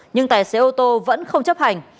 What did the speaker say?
nhưng tài xe ô tô vẫn không chấp hành